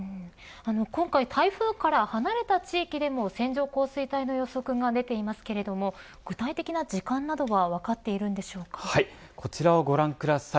今回、台風から離れた地域でも線状降水帯の予測が出ていますけれど具体的な時間などははい、こちらをご覧ください。